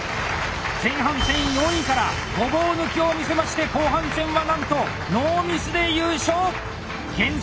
前半戦４位からごぼう抜きを見せまして後半戦はなんとノーミスで優勝！